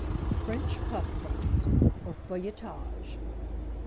FRENCH PUFF PASTE, or FEUILLETAGE.